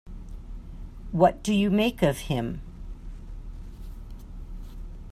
What do you make of him?